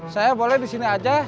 saya boleh disini aja